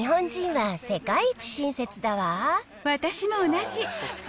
私も同じ。